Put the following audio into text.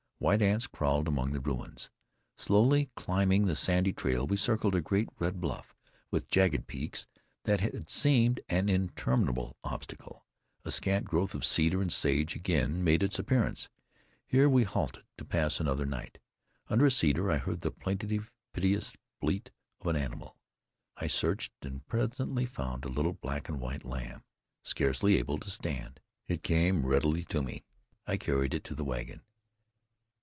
White ants crawled among the ruins. Slowly climbing the sandy trail, we circled a great red bluff with jagged peaks, that had seemed an interminable obstacle. A scant growth of cedar and sage again made its appearance. Here we halted to pass another night. Under a cedar I heard the plaintive, piteous bleat of an animal. I searched, and presently found a little black and white lamb, scarcely able to stand. It came readily to me, and I carried it to the wagon.